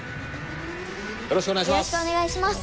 よろしくお願いします。